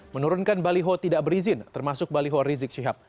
menurunkan baliho tidak berizin termasuk baliho rizik syihab